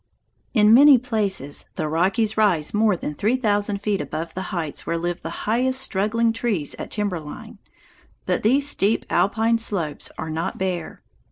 In many places the Rockies rise more than three thousand feet above the heights where live the highest struggling trees at timber line, but these steep alpine slopes are not bare.